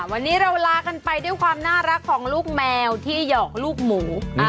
วันนี้เราลากันไปด้วยความน่ารักของลูกแมวที่หยอกลูกหมู